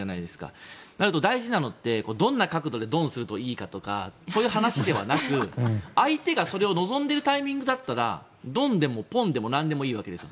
となると、大事なのってどんな角度でドンするといいかとかそういう話ではなく相手がそれを望んでいるタイミングだったらドンでもポンでもなんでもいいわけです。